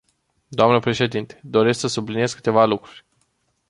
Dnă președintă, doresc să subliniez câteva lucruri.